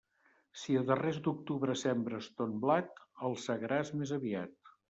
Si a darrers d'octubre sembres ton blat, el segaràs més aviat.